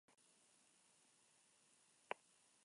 El Himno tiene como letra un poema de Manuel Lassa y Nuño.